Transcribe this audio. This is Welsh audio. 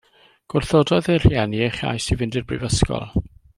Gwrthododd ei rhieni ei chais i fynd i'r brifysgol.